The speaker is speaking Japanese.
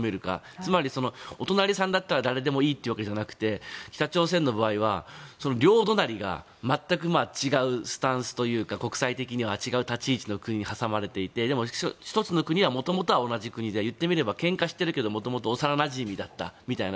つまり、お隣さんだったら誰でもいいってわけじゃなくて北朝鮮の場合は両隣が全く違うスタンスというか国際的には違う立ち位置の国に挟まれていてでも、１つの国は元々は同じ国で言ってみればけんかしているけれど元々幼なじみだったみたいな。